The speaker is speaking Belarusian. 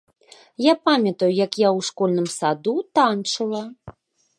Я памятаю, як я ў школьным саду танчыла.